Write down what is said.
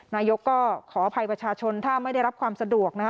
นายกก็ขออภัยประชาชนถ้าไม่ได้รับความสะดวกนะฮะ